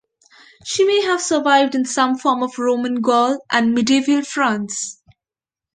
She may have survived in some form in Roman Gaul and medieval France.